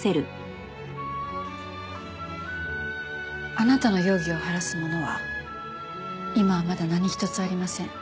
あなたの容疑を晴らすものは今はまだ何一つありません。